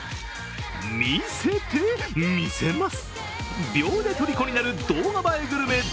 見せて、みせます。